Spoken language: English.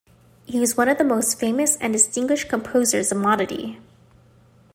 He was one of the most famous and distinguished composers of monody.